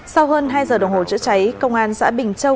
sau hơn hai giờ đồng hồ chữa cháy công an xã bình châu